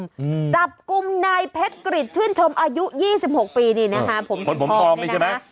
จับกลุ่มนายเพชรกริจชื่นทรมอายุ๒๖ปีนี่นะคะผมถึงพอเลยนะ